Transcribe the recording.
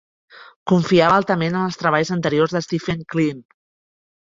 Confiava altament en els treballs anteriors d'Stephen Kleene.